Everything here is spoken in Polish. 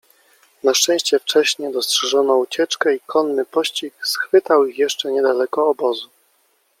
Na szczęście wcześnie dostrzeżono ucieczkę i konny pościg schwytał ich jeszcze nie daleko obozu.